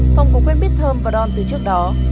phong cũng quên biết thơm và đôn từ trước đó